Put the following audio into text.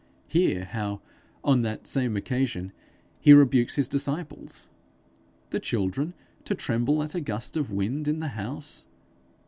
Hear how, on that same occasion, he rebukes his disciples! The children to tremble at a gust of wind in the house!